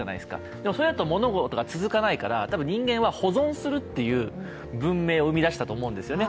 だけど、それだと物事が続かないから、多分人間は保存するっていう文明を生み出したんですよね。